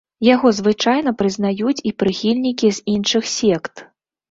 Яго звычайна прызнаюць і прыхільнікі з іншых сект.